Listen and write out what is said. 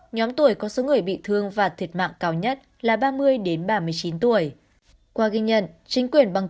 nhóm tuổi có số người bị thương và thiệt mạng cao nhất là ba mươi đến ba mươi